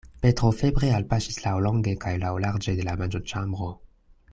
Petro febre alpaŝis laŭlonge kaj laŭlarĝe de la manĝoĉambro.